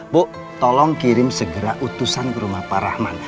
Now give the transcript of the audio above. bu tolong kirim segera utusan ke rumah pak rahman